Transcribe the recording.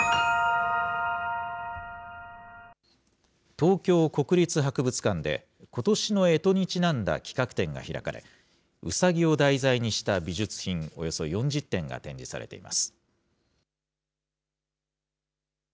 東京国立博物館で、ことしのえとにちなんだ企画展が開かれ、うさぎを題材にした美術品、およそ４０点が展示されています。